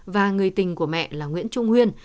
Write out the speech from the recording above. và người tình của mẹ là nguyễn trung huyên